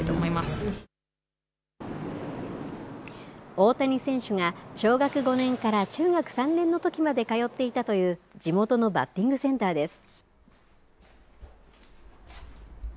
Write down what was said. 大谷選手が小学５年から中学の３年のときまで通っていたという地元のバッティングセンターです。